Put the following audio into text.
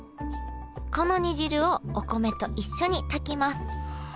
この煮汁をお米と一緒に炊きます